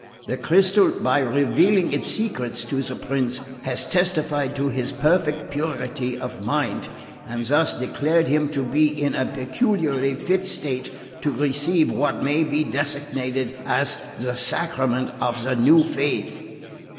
The crystal, by revealing its secrets to the prince, has testified to his perfect purity of mind, and thus declared him to be in a peculiarly fit state to receive what may be designated as the Sacrament of the new faith."